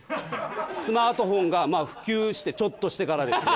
スマートフォンが普及してちょっとしてからですね。